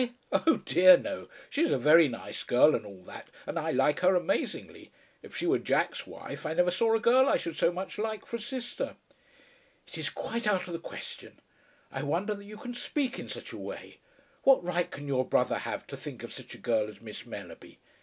Oh, dear no. She's a very nice girl and all that, and I like her amazingly. If she were Jack's wife, I never saw a girl I should so much like for a sister." "It is quite out of the question. I wonder that you can speak in such a way. What right can your brother have to think of such a girl as Miss Mellerby?